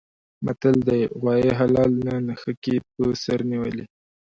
متل دی: غوایه حلال نه نښکي په سر نیولي.